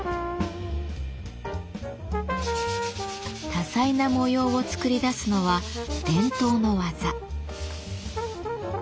多彩な模様を作り出すのは伝統の技。